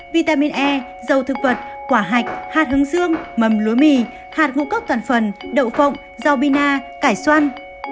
vitamin e dầu thực vật quả hạch hạt hướng dương mầm lúa mì hạt ngũ cốc toàn phần đậu phộng rau bina cải xoăn